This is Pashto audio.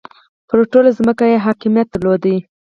پر ټوله ځمکه یې حاکمیت درلود.